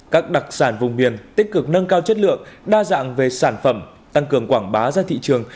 các đặc sản vùng miền tích cực nâng cao chất lượng đa dạng về sản phẩm tăng cường quảng bá ra thị trường